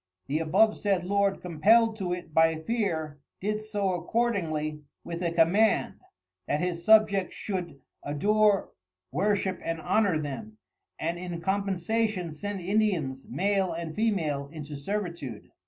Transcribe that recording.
The abovesaid Lord compelled to it by fear did so accordingly with a command, that his Subjects should adore Worship and Honour them, and in compensation send Indians Male and Female into servitude.